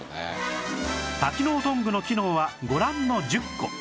多機能トングの機能はご覧の１０個